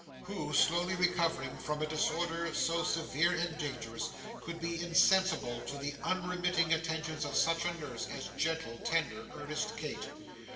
Who, slowly recovering from a disorder so severe and dangerous, could be insensible to the unremitting attentions of such a nurse as gentle, tender, earnest Kate?